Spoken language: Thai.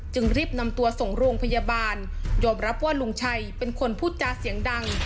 รีบนำตัวส่งโรงพยาบาลยอมรับว่าลุงชัยเป็นคนพูดจาเสียงดัง